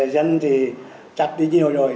dân thì chặt đi nhiều rồi